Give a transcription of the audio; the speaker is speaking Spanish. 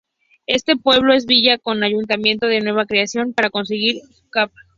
Este pueblo es villa con ayuntamiento de nueva creación; por consiguiente su Cap.